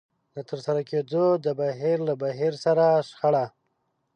د ترسره کېدو د بهير له بهير سره شخړه.